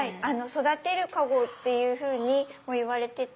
育てる籠っていうふうにもいわれてて。